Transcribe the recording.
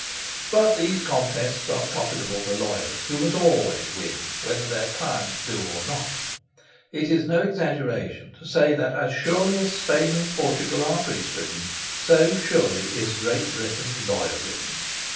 But these contests are profitable to lawyers, who must always win, whether their clients do or not. It is no exaggeration to say that, as surely as Spain and Portugal are priest ridden, so surely is Great Britain lawyer ridden.